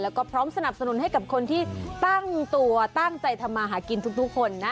แล้วก็พร้อมสนับสนุนให้กับคนที่ตั้งตัวตั้งใจทำมาหากินทุกคนนะ